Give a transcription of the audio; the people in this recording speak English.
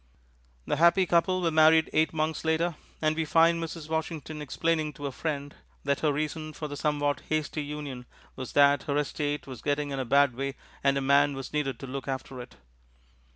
The happy couple were married eight months later, and we find Mrs. Washington explaining to a friend that her reason for the somewhat hasty union was that her estate was getting in a bad way and a man was needed to look after it.